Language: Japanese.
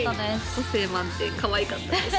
個性満点かわいかったです